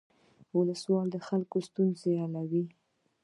ولسوال د خلکو ستونزې حلوي